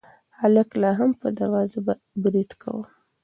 هلک لا هم په دروازه برید کاوه.